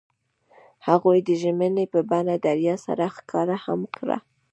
هغوی د ژمنې په بڼه دریا سره ښکاره هم کړه.